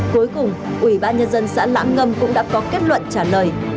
cuối cùng ủy ban nhân dân xã lãng ngâm cũng đã có kết luận trả lời